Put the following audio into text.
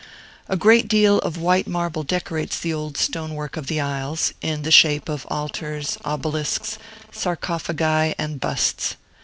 A great deal of white marble decorates the old stonework of the aisles, in the shape of altars, obelisks, sarcophagi, and busts.